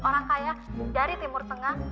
orang kaya dari timur tengah